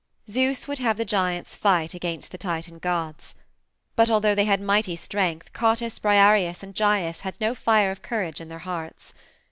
Zeus would have the giants fight against the Titan gods. But although they had mighty strength Cottus, Briareus, and Gyes had no fire of courage in their hearts.